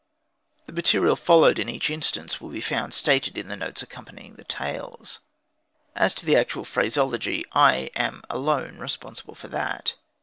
The material followed in each instance will be found stated in the notes accompanying the tales. As to the actual phraseology, I am alone responsible for that.